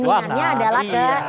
keinginannya adalah ke